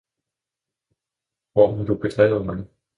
hvor har Du bedrevet mig!